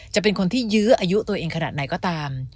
จะเป็นคนที่ยื้ออายุตัวเองขนาดไหนก็ตาม